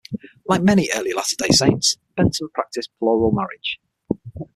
Like many early Latter Day Saints, Benson practiced plural marriage.